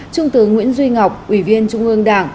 trung tướng nguyễn duy ngọc ủy viên trung ương đảng